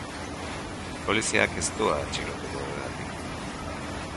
Poliziak ez du atxilotuko horregatik.